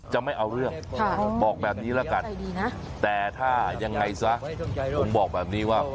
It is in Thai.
ไม่เอาเรื่องบอกแบบนี้ละกันแต่ถ้ายังไงซะผมบอกแบบนี้ว่า